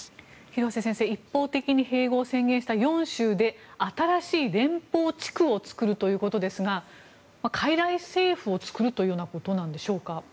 廣瀬先生、一方的に併合を宣言した４州で新しい連邦地区を作るということですが傀儡政府を作るということなんでしょうか。